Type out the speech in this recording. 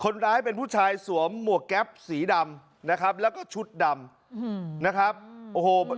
คนร้ายเป็นผู้ชายสวมหมวกแก๊ปสีดำนะครับแล้วก็ชุดดำนะครับโอ้โห